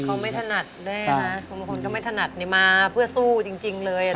เขาไม่ถนัดได้นะครับคุณหมุคคลก็ไม่ถนัดมาเพื่อสู้จริงเลย